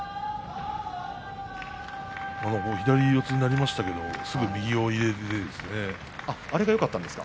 左四つになりましたがすぐ右を入れるんです。